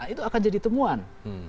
itu akan jadi temuan